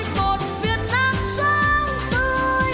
một việt nam giống tươi